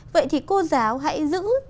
vậy thì cô giáo hãy giữ